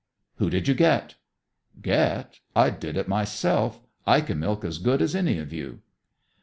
"Who did you get?" "Get? I did it myself. I can milk as good as any of you."